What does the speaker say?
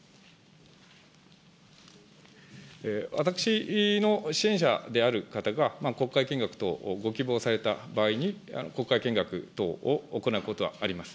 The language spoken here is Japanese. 私の支援者である方が国会見学等をご希望された場合に、国会見学等を行うことはあります。